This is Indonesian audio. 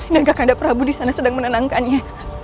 dan kekandap prabu di sana sedang menenangkannya